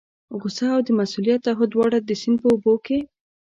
غوسه او د مسؤلیت تعهد دواړه د سیند په اوبو کې.